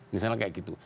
misalnya kayak gitu